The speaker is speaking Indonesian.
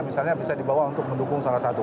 misalnya bisa di bawah untuk mendukung salah satu